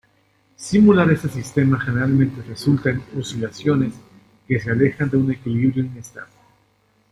Simular este sistema generalmente resulta en oscilaciones que se alejan de un equilibrio inestable.